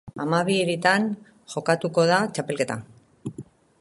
Hamabi hiritan jokatuko da txapelketa.